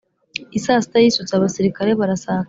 I saa sita yisutse abasirikare barasakara